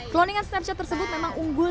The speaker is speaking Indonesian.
cloningan snapshot tersebut memang unggul